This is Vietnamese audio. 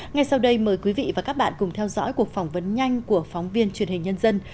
ngay sau đây mời quý vị và các bạn cùng theo dõi cuộc phỏng vấn nhanh của phóng viên truyền hình nhân dân